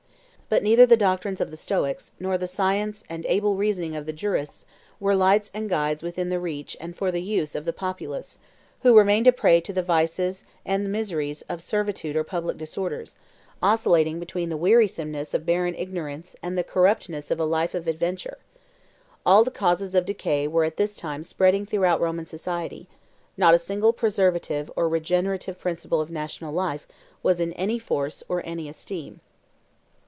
But neither the doctrines of the Stoics nor the science and able reasoning of the jurists were lights and guides within the reach and for the use of the populace, who remained a prey to the vices and miseries of servitude or public disorders, oscillating between the wearisomeness of barren ignorance and the corruptiveness of a life of adventure. All the causes of decay were at this time spreading throughout Roman society; not a single preservative or regenerative principle of national life was in any force or any esteem.